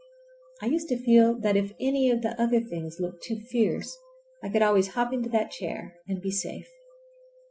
I used to feel that if any of the other things looked too fierce I could always hop into that chair and be safe.